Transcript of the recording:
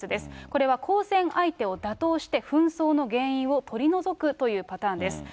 これは交戦相手を打倒して、紛争の原因を取り除くというパターンです。